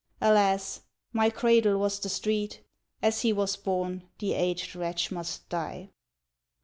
Alas! my cradle was the street! As he was born the aged wretch must die.